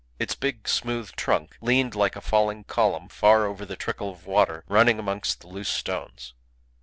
Its big smooth trunk leaned like a falling column far over the trickle of water running amongst the loose stones.